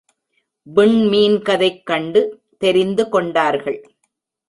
விண்மீன்கதைக் கண்டு தெரிந்து கொண்டார்கள்.